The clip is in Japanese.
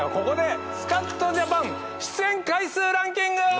ここで『スカッとジャパン』出演回数ランキング。